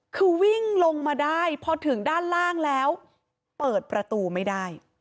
คือวิ่งลงมาได้พอถึงด้านล่างแล้วเปิดประตูไม่ได้